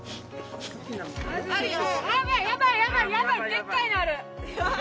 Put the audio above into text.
でっかいのある！